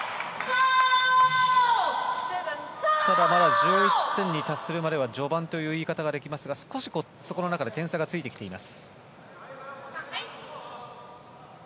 １１点に達するまでは序盤という言い方ができますが少し、そこの中で点差がついてきています。